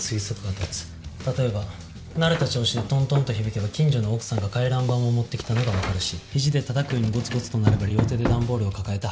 例えば慣れた調子でトントンと響けば近所の奥さんが回覧板を持ってきたのがわかるし肘で叩くようにゴツゴツと鳴れば両手で段ボールを抱えた配達員。